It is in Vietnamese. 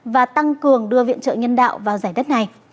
và tăng cường đưa viện trợ nhân đạo vào giải đất này